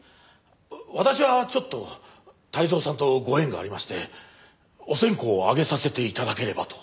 私はちょっと泰造さんとご縁がありましてお線香をあげさせて頂ければと。